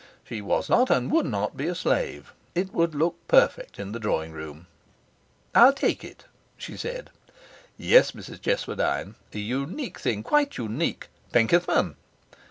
She was not and would not be a slave. It would look perfect in the drawing room. 'I'll take it,' she said. 'Yes, Mrs Cheswardine. A unique thing, quite unique. Penkethman!'